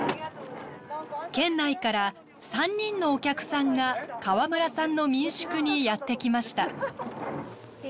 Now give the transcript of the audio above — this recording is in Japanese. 県内から３人のお客さんが河村さんの民宿にやって来ました。